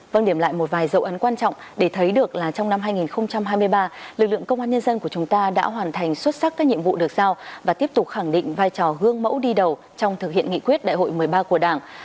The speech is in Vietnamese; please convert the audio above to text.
vâng điểm lại một vài dấu ấn quan trọng để thấy được là trong năm hai nghìn hai mươi ba lực lượng công an nhân dân của chúng ta đã hoàn thành xuất sắc các nhiệm vụ được giao và tiếp tục khẳng định vai trò gương mẫu đi đầu trong thực hiện nghị quyết đại hội một mươi ba của đảng